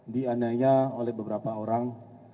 dianiaya oleh beberapa orang